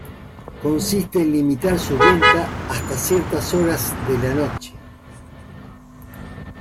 Consiste en limitar su venta hasta ciertas horas de la noche.